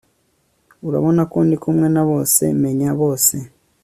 Urabona ko ndi kumwe na bose menya bose